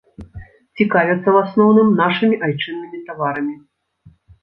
Цікавяцца ў асноўным нашымі айчыннымі таварамі.